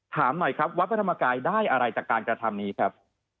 ถามหน่อยครับวัดพระธรรมกายได้อะไรจากการกระทำนี้ครับ